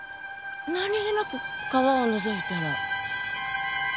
何げなく川をのぞいたら。